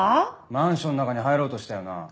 マンションの中に入ろうとしたよな？